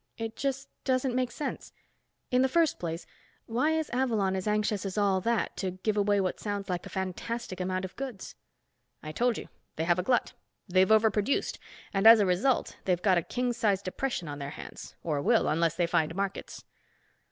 It just doesn't make sense. In the first place, why is Avalon as anxious as all that to give away what sounds like a fantastic amount of goods?" "I told you, they have a glut. They've overproduced and, as a result, they've got a king size depression on their hands, or will have unless they find markets."